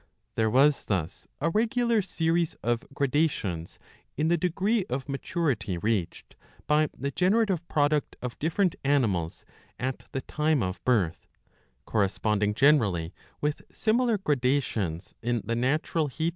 * There was thus a regular' series of gradations in the degree of maturity reached by the generative product of diff"erent animals at the time of birth, corresponding generally with similar gradations in the natural » D.